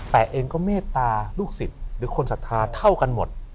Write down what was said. แต่เองก็เมตตาลูกศิษย์หรือคนศรัทธาเท่ากันหมด